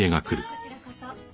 こちらこそ。